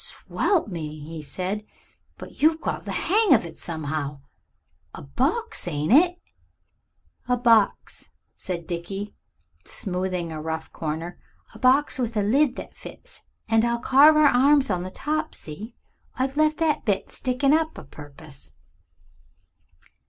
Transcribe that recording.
"Swelp me!" he said; "but you've got the hang of it somehow. A box, ain't it?" "A box," said Dickie, smoothing a rough corner; "a box with a lid that fits. And I'll carve our arms on the top see, I've left that bit stickin' up a purpose."